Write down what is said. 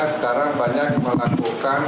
sekarang banyak melakukan